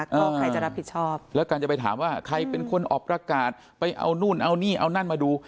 ก็ใครจะรับผิดชอบแล้วการจะไปถามว่าใครเป็นคนออกประกาศไปเอานู่นเอานี่เอานั่นมาดู